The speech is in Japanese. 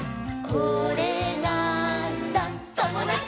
「これなーんだ『ともだち！』」